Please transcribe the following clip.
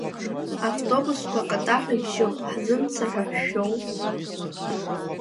Автобусқәа акатаҳәа ибжьоуп, ҳзымацар ҳәа шәшәоу?